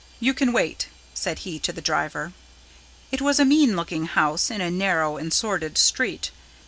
"You can wait," said he to the driver. It was a mean looking house in a narrow and sordid street.